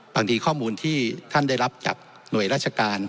ข้อมูลที่ท่านได้รับจากหน่วยราชการ